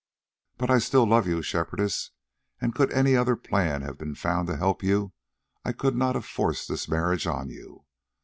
But I still love you, Shepherdess, and could any other plan have been found to help you, I could not have forced this marriage on you.